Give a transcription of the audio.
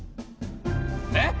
えっ！？